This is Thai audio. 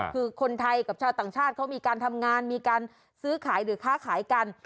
คือคนไทยกับชาวต่างชาติเขามีการทำงานมีการซื้อขายหรือค้าขายกัน